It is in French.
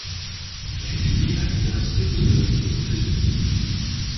Il a étudié à l'Université d'Auburn aux États-Unis.